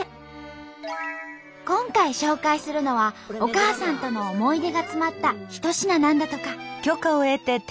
今回紹介するのはお母さんとの思い出が詰まった一品なんだとか。